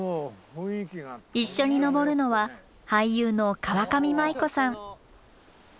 一緒に登るのは俳優の川上麻衣子さん。